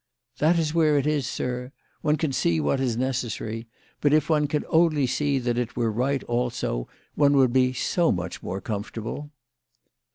" That is where it is, sir. One can see what is necessary ; but if one could only see that it were right also, one would be so much more comfortable."